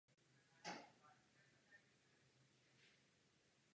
Jeho objem je z hospodářského hlediska zanedbatelný.